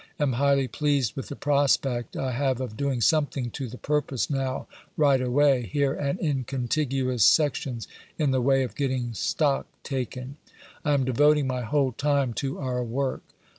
Am highly pleased with the prospect I have of doing something to the purpose now, right away, here and in contiguous sections, in the way of getting stock taken. I am devoting my whole time to our work.